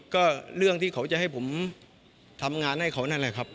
ก็เรื่องที่เขาจะให้ผมทำงานให้เขานั่นแหละครับ